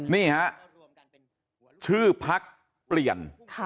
นี่ฮะชื่อพักเปลี่ยน